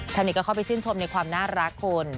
ชาวเน็ตก็เข้าไปชื่นชมในความน่ารักคุณ